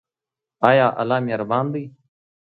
آیا الله مهربان دی؟